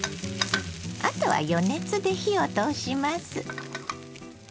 あとは余熱で火を通します。